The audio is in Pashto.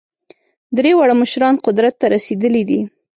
درې واړه مشران قدرت ته رسېدلي دي.